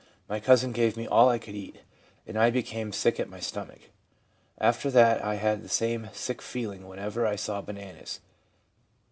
My cousin gave me all I could eat, and I became sick at my stomach. After that I had the same sick feeling whenever I saw bananas/ F.